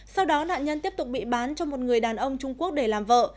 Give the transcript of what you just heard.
sau đó nạn nhân tiếp tục bị bán cho một người đàn ông trung quốc để làm vợ